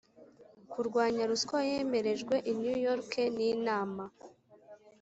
kurwanya ruswa yemerejwe i New York n Inama